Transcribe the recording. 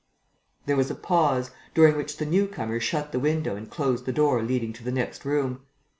There was a pause, during which the newcomer shut the window and closed the door leading to the next room.